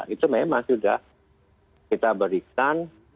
itu memang sudah kita berikan